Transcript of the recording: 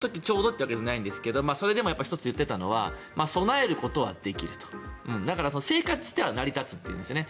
だからその時ちょうどというわけではないんですがそれでも１つ言っていたのは備えることはできるだから生活自体は成り立つというんです。